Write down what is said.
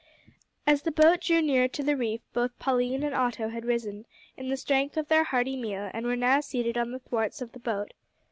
As the boat drew nearer to the reef, both Pauline and Otto had risen, in the strength of their hearty meal, and were now seated on the thwarts of the boat.